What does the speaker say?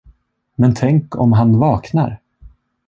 Men tänk om han vaknar!